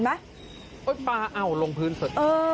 อุ๊ยปลาเอ่าลงพื้นค่ะ